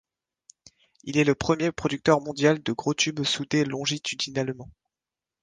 Il est le premier producteur mondial de gros tubes soudés longitudinalement.